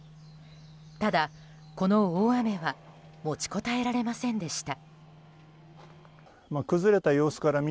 ただ、この大雨は持ちこたえられませんでした。